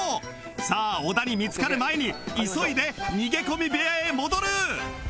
さあ小田に見付かる前に急いで逃げ込み部屋へ戻る